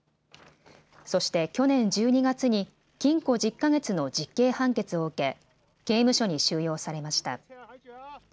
そして去年１２月に禁錮１０か月の実刑判決を受け刑務所に収容されました。